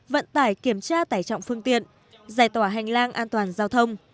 vận tải kiểm tra tải trọng phương tiện giải tỏa hành lang an toàn giao thông